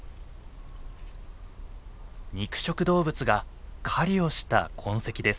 肉食動物が狩りをした痕跡です。